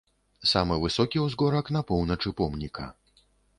Самы высокі ўзгорак на поўначы помніка.